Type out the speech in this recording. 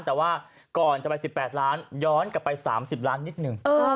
แต่ว่าก่อนจะไป๑๘ล้านย้อนกลับไป๓๐ล้านนิดนึง